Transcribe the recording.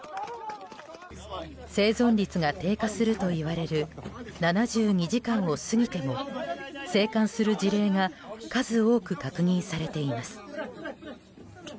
生存率が低下するといわれる７２時間を過ぎても生還する事例が数多く確認されています。